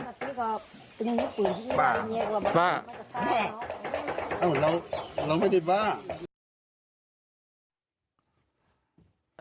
บ้าบ้าเอ้าเราเราไม่ได้บ้า